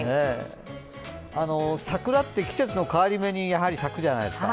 桜って季節の変わり目に咲くじゃないですか。